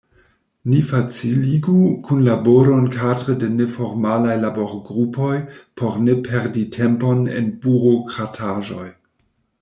Ni faciligu kunlaboron kadre de neformalaj laborgrupoj por ne perdi tempon en burokrataĵoj.